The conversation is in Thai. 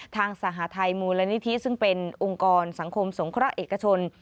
ทางสหทัยมูลนิธิซึ่งเป็นองค์กรสังคมสงเคราะห์เอกชน